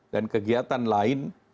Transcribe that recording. dan kegiatan lain